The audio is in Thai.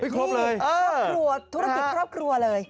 ครบเลยครอบครัวธุรกิจครอบครัวเลย